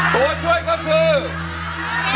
ตัวช่วยก็คือ